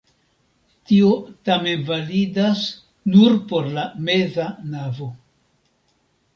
Tio tamen validas nur por la meza navo.